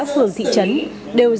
phường thị trấn đều ra